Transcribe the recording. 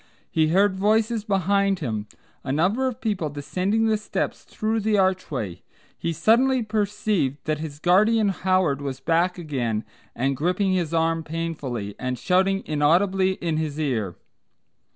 He heard voices behind him, a number of people descending the steps through the archway; he suddenly perceived that his guardian Howard was back again and gripping his arm painfully, and shouting inaudibly in his ear.